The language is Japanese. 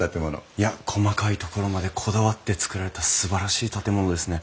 いや細かいところまでこだわって造られたすばらしい建物ですね。